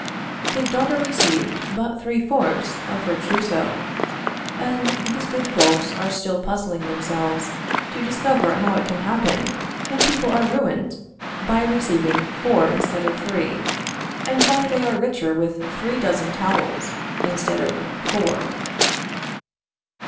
His daughter received but three fourths of her trousseau; and these good folks are still puzzling themselves to discover how it can happen that people are ruined by receiving four instead of three; and why they are richer with three dozen towels instead of four.